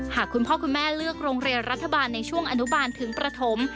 หากคุณพ่อคุณแม่เลือกโรงเรียนรัฐบาลในช่วงอนุบาลถึงประถม